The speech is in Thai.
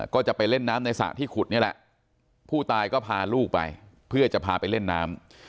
ก็จะไปเล่นน้ำในสระที่ขุดนี่แหละผู้ตายก็พาลูกไปเพื่อจะพาไปเล่นน้ำ